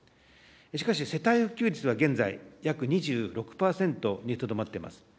しかし、世帯普及率は現在、約２６％にとどまってます。